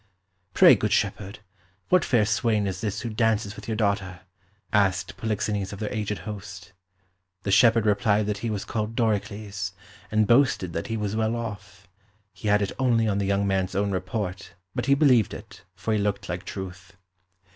"Pray, good shepherd, what fair swain is this who dances with your daughter?" asked Polixenes of their aged host. The shepherd replied that he was called Doricles, and boasted that he was well off; he had it only on the young man's own report, but he believed it, for he looked like truth.